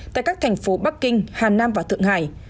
tại các thành phố bắc kinh hà nam và thượng hải